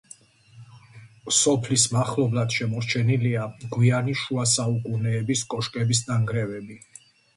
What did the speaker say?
სოფლის მახლობლად შემორჩენილია გვიანი შუა საუკუნეების კოშკების ნანგრევები.